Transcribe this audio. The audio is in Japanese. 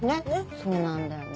そうなんだよね。